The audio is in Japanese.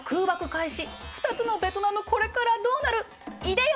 ２つのベトナムこれからどうなる？いでよ！